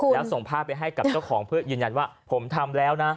แล้วส่งภาพไปให้กับเจ้าของเพื่อยืนยันว่าผมทำแล้วนะ